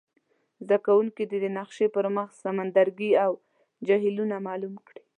زده کوونکي دې د نقشي پر مخ سمندرګي او جهیلونه معلوم کړي.